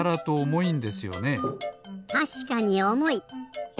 たしかにおもい！